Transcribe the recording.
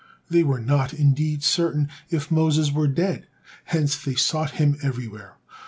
They were not indeed certain if Moses were dead, hence they sought him everywhere.